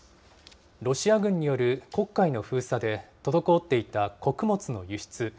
ロシア軍による黒海の封鎖で滞っていた穀物の輸出。